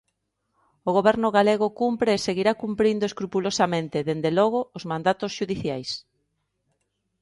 O Goberno galego cumpre e seguirá cumprindo escrupulosamente, dende logo, os mandatos xudiciais.